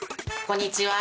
こんにちは！